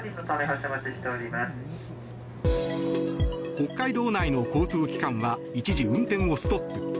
北海道内の交通機関は一時運転をストップ。